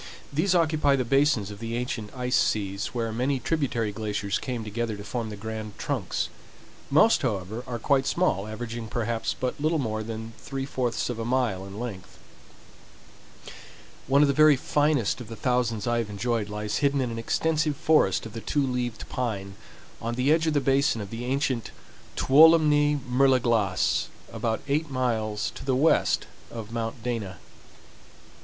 These occupy the basins of the ancient ice seas, where many tributary glaciers came together to form the grand trunks. Most, however, are quite small, averaging perhaps but little more than three fourths of a mile in length. One of the very finest of the thousands I have enjoyed lies hidden in an extensive forest of the Two leaved Pine, on the edge of the basin of the ancient Tuolumne Mer de Glace, about eight miles to the west of Mount Dana.